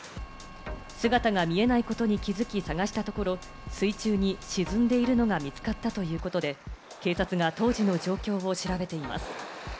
姿が見えないことに気付き、探したところ、水中に沈んでいるのが見つかったということで、警察が当時の状況を調べています。